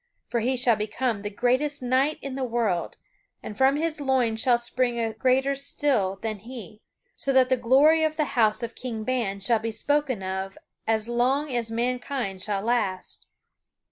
For he shall become the greatest knight in the world, and from his loins shall spring a greater still than he, so that the glory of the House of King Ban shall be spoken of as long as mankind shall last."